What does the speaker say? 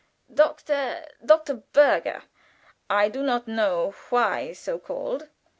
'" "Doctor?" "Doctorberger; I do not know why so called.